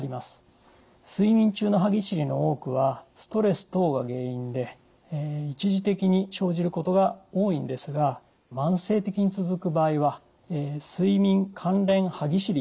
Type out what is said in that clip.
睡眠中の歯ぎしりの多くはストレス等が原因で一時的に生じることが多いんですが慢性的に続く場合は睡眠関連歯ぎしりという病気の可能性があります。